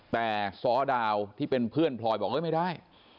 แต่ซ้อดาวที่เป็นเพื่อนพลอยบอกไม่ได้